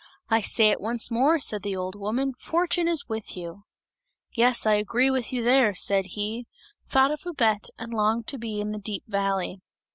"I say it once more," said the old woman, "fortune is with you!" "Yes, I agree with you there!" said he; thought of Babette and longed to be in the deep valley.